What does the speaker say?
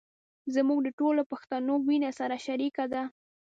زموږ د ټولو پښتنو وينه سره شریکه ده.